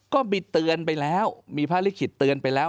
ก็มีเตือนไปแล้วมีภารกิจเตือนไปแล้ว